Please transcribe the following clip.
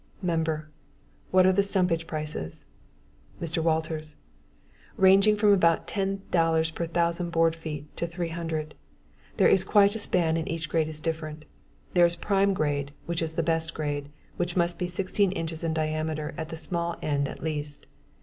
MEMBER: What are the stumpage prices? MR. WALTERS: Ranging from about $10.00 per thousand board feet to $300. There is quite a span and each grade is different. There is a prime grade, which is the best grade, which must be 16 inches in diameter at the small end at least.